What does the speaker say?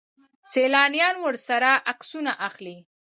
سیلانیان ورسره عکسونه اخلي.